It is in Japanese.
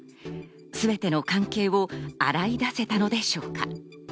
全ての関係を洗い出せたのでしょうか。